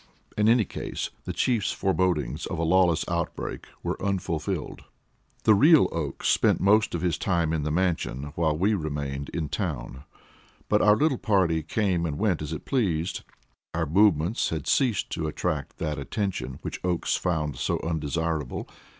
In any case, the Chief's forebodings of a lawless outbreak were unfulfilled. The real Oakes spent most of his time in the Mansion while we remained in town; but our little party came and went as it pleased. Our movements had ceased to attract that attention which Oakes found so undesirable.